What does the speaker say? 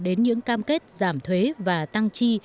đến những cam kết giảm thuế và tăng chi